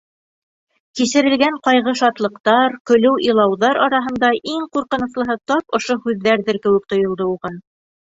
Кисерелгән ҡайғы-шатлыҡтар, көлөү-илауҙар араһында иң ҡурҡыныслыһы тап ошо һүҙҙәрҙер кеүек тойолдо уға.